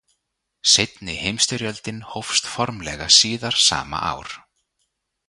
Seinni heimsstyrjöldin hófst formlega síðar sama ár.